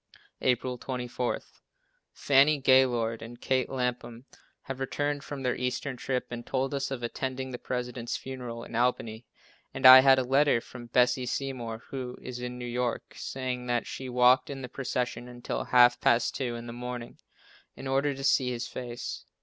April 24. Fannie Gaylord and Kate Lapham have returned from their eastern trip and told us of attending the President's funeral in Albany, and I had a letter from Bessie Seymour, who is in New York, saying that she walked in the procession until half past two in the morning, in order to see his face.